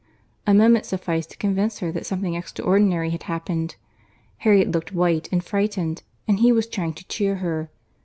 —A moment sufficed to convince her that something extraordinary had happened. Harriet looked white and frightened, and he was trying to cheer her.